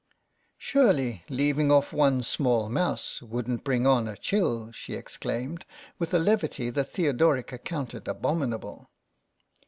"Surely leaving off one small mouse wouldn't bring on a chill," she exclaimed, with a levity that Theodoric accounted abominable.